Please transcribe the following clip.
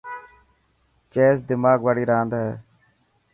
چيس دماغ واڙي راند هي.